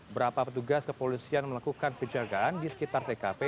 berapa petugas kepolisian melakukan penjagaan di sekitar tkp